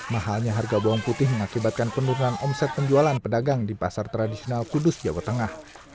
mahalnya harga bawang putih mengakibatkan penurunan omset penjualan pedagang di pasar tradisional kudus jawa tengah